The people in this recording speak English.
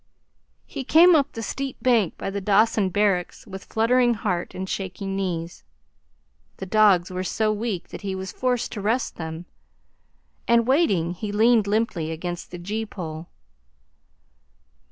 He came up the steep bank by the Dawson barracks with fluttering heart and shaking knees. The dogs were so weak that he was forced to rest them, and, waiting, he leaned limply against the gee pole.